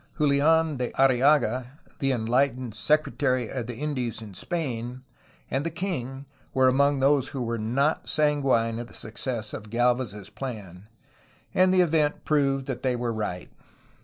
Julian de Arriaga, the enlightened Secretary of the Indies in Spain, ^ and the king were among those who were not sanguine of the success of Gdlvez's plan, and the event proved that they were right.